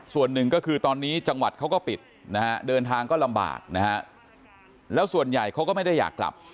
ส่วนหนึ่งก็คือตอนนี้จังหวัดเขาก็ปิดนะฮะเดินทางก็ลำบากนะฮะแล้วส่วนใหญ่เขาก็ไม่ได้อยากกลับ